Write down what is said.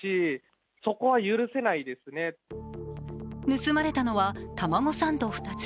盗まれたのは、たまごサンド２つ。